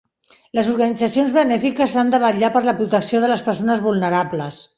Les organitzacions benèfiques han de vetllar per la protecció de les persones vulnerables.